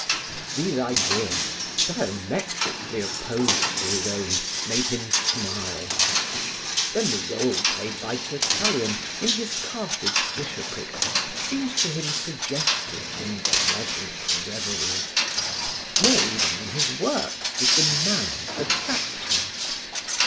These ideas, diametrically opposed to his own, made him smile. Then the role played by Tertullian, in his Carthage bishopric, seemed to him suggestive in pleasant reveries. More even than his works did the man attract him.